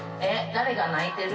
誰が泣いてる？」